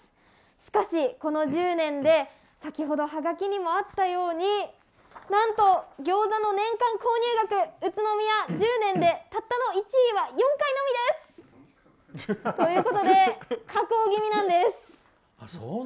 しかし、この１０年で先ほどハガキにもあったように餃子の年間購入額がそちら、なんと宇都宮は１０年で１位は４回のみです！ということで下降気味なんです。